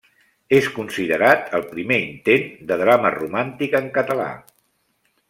És considerat el primer intent de drama romàntic en català.